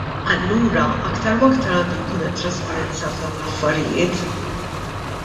Allura aktar u aktar għandu jkun hemm trasparenza f'dawn l-affarijiet!